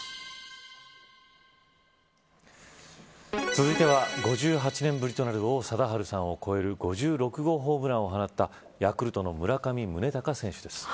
続いては、５８年ぶりとなる王貞治山を越える５６号ホームランを放ったヤクルトの村上宗隆選手です。